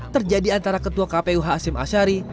terjadi antara ketua kpu hasim asyari